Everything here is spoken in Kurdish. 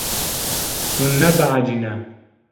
Hûn nebehecî ne.